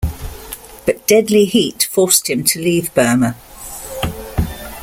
But deadly heat forced him to leave Burma.